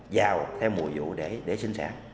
vào theo mùa vụ để sinh sản